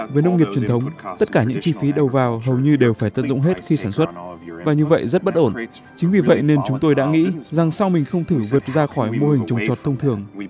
với nông nghiệp truyền thống tất cả những chi phí đầu vào hầu như đều phải tận dụng hết khi sản xuất và như vậy rất bất ổn chính vì vậy nên chúng tôi đã nghĩ rằng sau mình không thử vượt ra khỏi mô hình trồng trọt thông thường